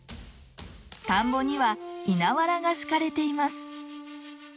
田んぼにはいなわらが敷かれています。